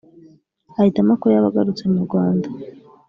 ahitamo ko yaba agarutse mu Rwanda